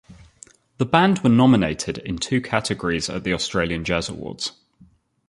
The band were nominated in two categories at the Australian Jazz Awards.